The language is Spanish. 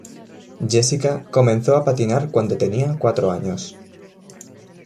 Jessica comenzó a patinar cuando tenía cuatro años.